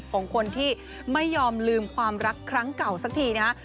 ของคนที่ไม่ยอมลืมความรักครั้งเก่าสักทีนะฮะ